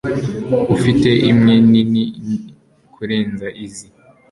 Ufite imwe nini nini kurenza izi?